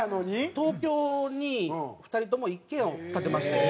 東京に２人とも一軒家を建てまして。